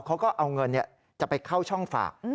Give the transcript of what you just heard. เขาก็เอาเงินจะไปเข้าช่องฝาก